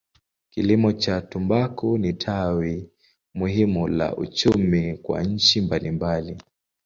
Kilimo cha tumbaku ni tawi muhimu la uchumi kwa nchi mbalimbali.